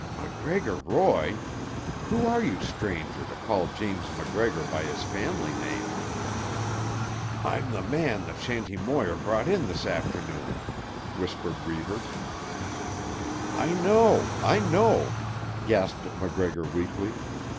"MacGregor Roy! Who are you, stranger, to call James MacGregor by his family name?" "I'm the man that Shanty Moir brought in this afternoon," whispered Reivers. "I know, I know," gasped MacGregor weakly.